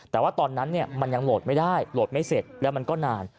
แต่ว่าตอนนั้นมันยังโหลดไม่ได้โหลดไม่เสร็จแล้วมันก็นาน